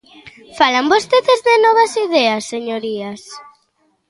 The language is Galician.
Falan vostedes de novas ideas, señorías.